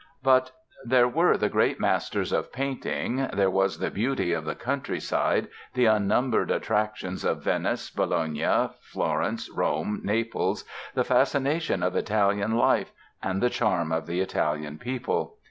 But there were the great masters of painting, there was the beauty of the countryside, the unnumbered attractions of Venice, Bologna, Florence, Rome, Naples, the fascination of Italian life and the charm of the Italian people.